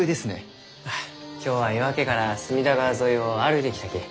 あ今日は夜明けから隅田川沿いを歩いてきたき。